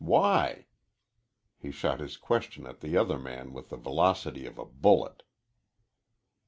Why?" He shot his question at the other man with the velocity of a bullet.